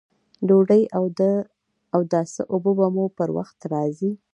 ډوډۍ او د اوداسه اوبه به مو پر وخت راځي!